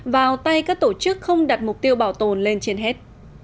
vào tay các tổ chức không đặt mục tiêu bảo tồn lên trên hết